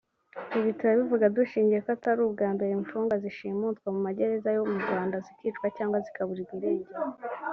Ibi turabivuga dushingiye ko atari ubwa mbere imfungwa zishimutwa mu magereza yo mu Rwanda zikicwa cyangwa zikaburirwa irengero